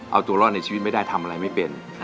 เอาตัวรอดในชีวิตไม่ได้ทำอะไรไม่เป็น